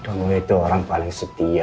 romo itu orang paling setia